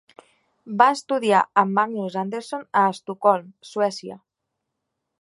Va estudiar amb Magnus Andersson a Estocolm, Suècia.